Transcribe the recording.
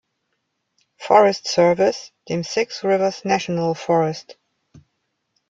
Forest Service, dem Six Rivers National Forest.